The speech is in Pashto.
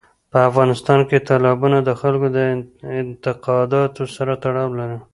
په افغانستان کې تالابونه د خلکو د اعتقاداتو سره تړاو لري.